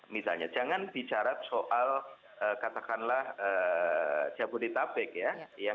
misalnya jangan bicara soal katakanlah jabodetabek ya